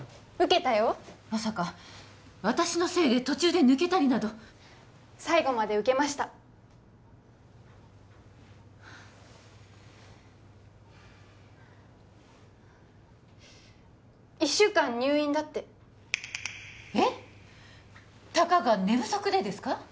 受けたよまさか私のせいで途中で抜けたりなど最後まで受けました一週間入院だってえったかが寝不足でですか？